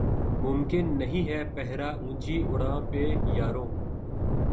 ممکن نہیں ہے پہرہ اونچی اڑاں پہ یارو